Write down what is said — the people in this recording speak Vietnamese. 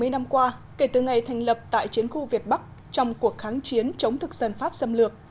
bảy mươi năm qua kể từ ngày thành lập tại chiến khu việt bắc trong cuộc kháng chiến chống thực dân pháp xâm lược